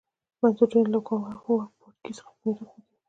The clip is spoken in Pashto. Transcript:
بنسټونه یې له واکمن پاړکي څخه په میراث پاتې وو